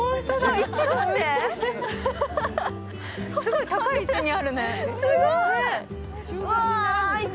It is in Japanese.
すごい高い位置にあるね。